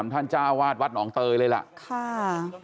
เมื่อยครับเมื่อยครับ